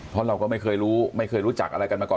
เพราะเราก็ไม่เคยรู้ไม่เคยรู้จักอะไรกันมาก่อน